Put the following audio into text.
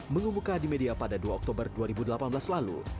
mengumumkan di media pada dua oktober dua ribu delapan belas lalu